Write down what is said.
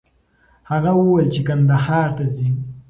هغه وویل چې کندهار ته ځي.